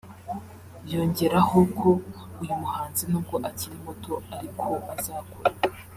yongeraho ko uyu muhanzi nubwo akiri muto ariko azakura